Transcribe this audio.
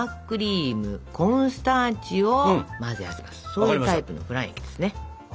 そういうタイプのフラン液ですね。